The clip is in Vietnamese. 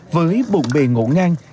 với bụng bề ngộ ngang